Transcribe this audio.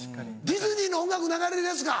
ディズニーの音楽流れるやつか。